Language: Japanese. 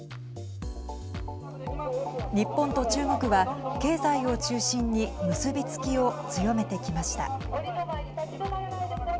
日本と中国は経済を中心に結び付きを強めてきました。